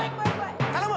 頼む！